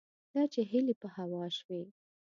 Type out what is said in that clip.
دا چې هیلې په هوا شوې